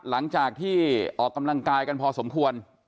หลังจากที่ออกกำลังกายกันพอสมควร